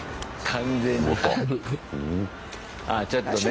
ああちょっとね。